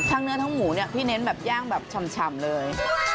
เนื้อทั้งหมูเนี่ยพี่เน้นแบบย่างแบบฉ่ำเลย